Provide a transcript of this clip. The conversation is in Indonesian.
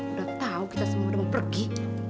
udah tahu kita semua udah mau pergi